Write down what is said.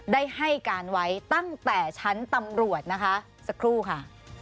ได้ให้การไว้ตั้งแต่ชั้นตำรวจนะคะสักครู่ค่ะ